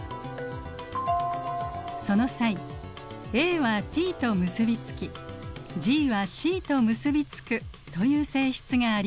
その際ＡはＴと結び付きＧはＣと結び付くという性質がありました。